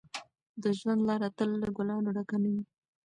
د ژوند لاره تل له ګلانو ډکه نه وي.